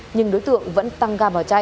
nhưng đối tượng vẫn tăng ga vào chạy